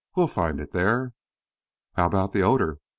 We'll find it there." "How about the odour?"